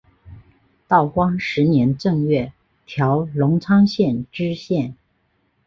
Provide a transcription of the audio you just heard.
道光十年正月调荣昌县知县。